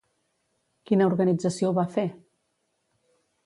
Quina organització ho va fer?